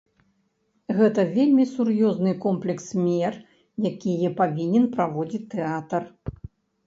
Гэта вельмі сур'ёзны комплекс мер якія павінен праводзіць тэатр.